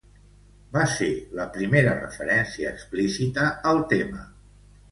Va ser la primera referència explícita al tema.